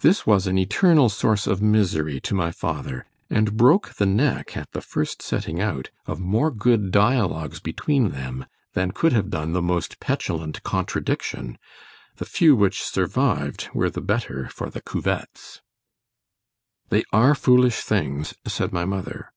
This was an eternal source of misery to my father, and broke the neck, at the first setting out, of more good dialogues between them, than could have done the most petulant contradiction——the few which survived were the better for the cuvetts—— —"They are foolish things;" said my mother.